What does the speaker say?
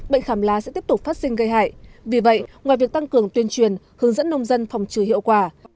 phát sinh gây hại vì vậy ngoài việc tăng cường tuyên truyền hướng dẫn nông dân phòng trừ hiệu quả